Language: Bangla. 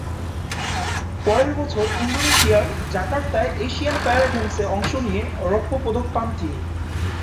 পরের বছর ইন্দোনেশিয়ার জাকার্তায় এশিয়ান প্যারা গেমসে অংশ নিয়ে রৌপ্য পদক পান তিনি।